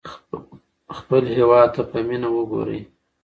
خپل هېواد ته په مینه وګورئ.